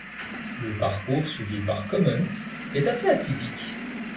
Le parcours suivi par Commons est assez atypique.